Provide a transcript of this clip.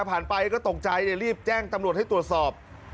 ไปก็ตกใจเลยรีบแจ้งตำรวจให้ตรวจสอบ